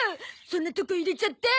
そんなとこ入れちゃって！